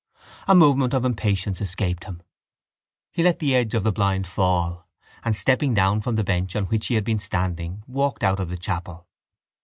A movement of impatience escaped him. He let the edge of the blind fall and, stepping down from the bench on which he had been standing, walked out of the chapel.